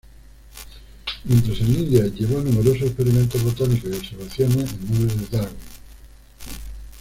Mientras en India, llevó a numerosos experimentos botánicos y observaciones en nombre de Darwin.